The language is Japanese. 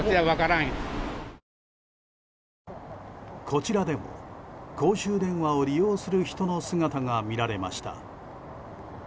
こちらでも公衆電話を利用する人の姿が見られました。